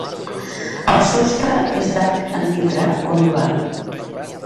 El sostre és d'arc en mitra o angular.